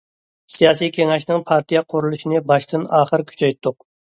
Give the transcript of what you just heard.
سىياسىي كېڭەشنىڭ پارتىيە قۇرۇلۇشىنى باشتىن- ئاخىر كۈچەيتتۇق.